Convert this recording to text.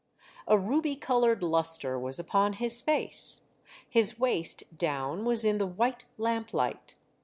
A ruby coloured lustre was upon his face ; his waist down was in the white lamp light.